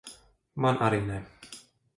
Man arī ne.